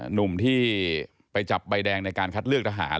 หนุ่มที่ไปจับใบแดงในการคัดเลือกทหาร